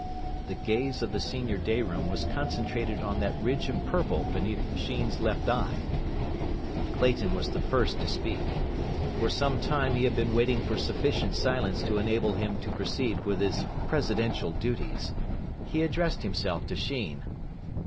The gaze of the senior day room was concentrated on that ridge of purple beneath Sheen's left eye. Clayton was the first to speak. For some time he had been waiting for sufficient silence to enable him to proceed with his presidential duties. He addressed himself to Sheen.